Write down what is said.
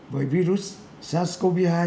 cái virus sars cov hai